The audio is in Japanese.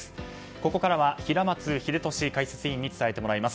ここからは平松秀敏解説委員に伝えてもらいます。